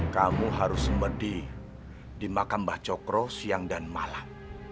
kamu harus berdiri di makam mbah cokro siang dan malam